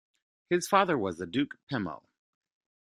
His father was the Duke Pemmo.